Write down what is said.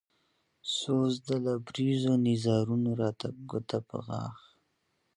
سوز د لبرېزو نيزارونو راته ګوته په غاښ